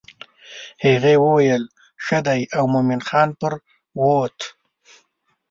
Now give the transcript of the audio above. هغې وویل ښه دی او مومن خان پر ووت.